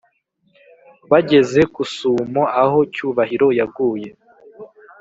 bageze kusumo aho cyubahiro yaguye